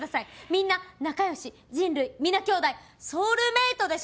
みんな仲良し人類皆兄弟ソウルメートでしょ？